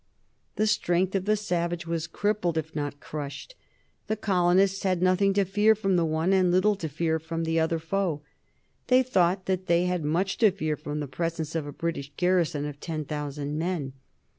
The strength of the savage was crippled if not crushed. The colonists had nothing to fear from the one and little to fear from the other foe. They thought that they had much to fear from the presence of a British garrison of ten thousand men.